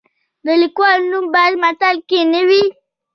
د لیکوال نوم باید په متن کې نه وي.